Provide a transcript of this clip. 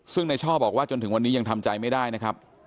ซึ่งในช่อบอกว่าจนถึงวันนี้ยังทำใจไม่ได้นะครับ